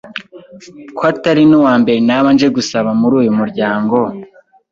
ko atari n’uwa mbere naba nje gusaba muri uyu muryango